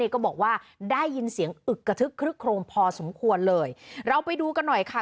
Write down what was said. ก็บอกว่าได้ยินเสียงอึกกระทึกคลึกโครมพอสมควรเลยเราไปดูกันหน่อยค่ะ